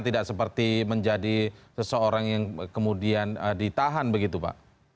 tidak seperti menjadi seseorang yang kemudian ditahan begitu pak